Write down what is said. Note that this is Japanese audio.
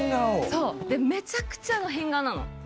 めちゃくちゃ変顔なの。